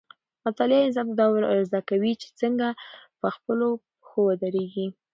مطالعه انسان ته دا ورزده کوي چې څنګه په خپلو پښو ودرېږي.